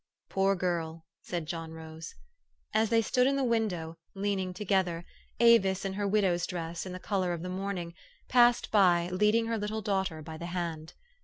" Poor girl !" said John Rose. As they stood in the window, leaning together, Avis, in her widow's dress, in the color of the morn ing, passed by, leading her little daughter by the hand.